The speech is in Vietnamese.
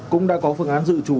cũng đã có phương án dự trù